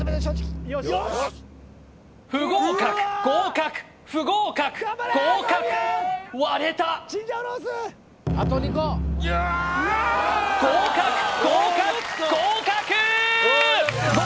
不合格合格不合格合格割れた合格合格合格！